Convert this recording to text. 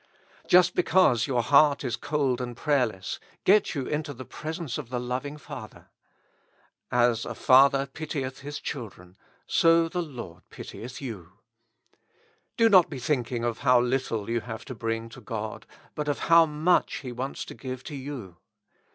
Just because your heart is cold and prayerless, get you into the presence of the loving Father. As a father pitieth his children, so the Lord pitieth you. Do not be thinking of how little you have to bring God, but of how much He wants to give you.